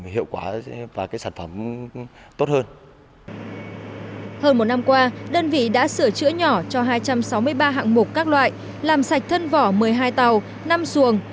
hơn một năm qua đơn vị đã sửa chữa nhỏ cho hai trăm sáu mươi ba hạng mục các loại làm sạch thân vỏ một mươi hai tàu năm xuồng